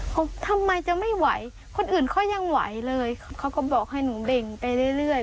เขาทำไมจะไม่ไหวคนอื่นเขายังไหวเลยเขาก็บอกให้หนูเบ่งไปเรื่อย